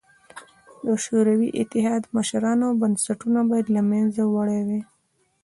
د شوروي اتحاد مشرانو بنسټونه باید له منځه وړي وای